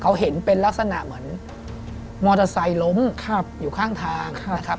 เขาเห็นเป็นลักษณะเหมือนมอเตอร์ไซค์ล้มอยู่ข้างทางนะครับ